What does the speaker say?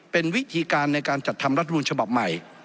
เป็นวิธีการในการจัดทำรัฐมนูญฉบับใหม่